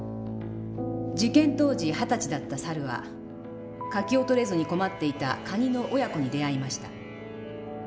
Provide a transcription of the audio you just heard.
事件当時二十歳だった猿は柿を取れずに困っていたカニの親子に出会いました。